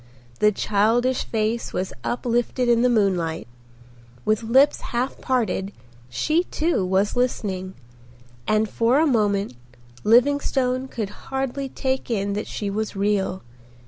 The childish face was uplifted in the moonlight. With lips half parted she too was listening, and for a moment Livingstone could hardly take in that she was real.